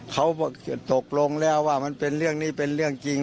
เขาบอกตกลงแล้วว่ามันเป็นเรื่องนี้เป็นเรื่องจริง